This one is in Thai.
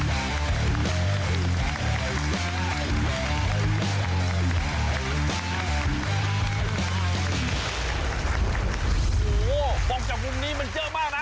โอ้โหฟังจากกลุ่มนี้มันเจอะมากนะ